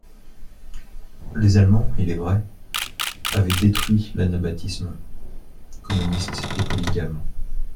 Les Allemands, il est vrai, avaient détruit l'anabaptisme (communiste et polygame).